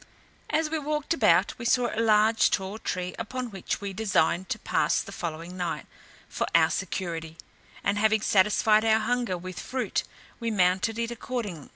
As we walked about, we saw a large tall tree upon which we designed to pass the following night, for our security; and having satisfied our hunger with fruit, we mounted it according.